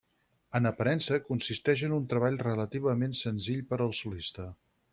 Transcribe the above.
En aparença consisteix en un treball relativament senzill per al solista.